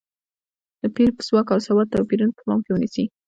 د پېر ځواک او سواد توپیرونه په پام کې ونیسي.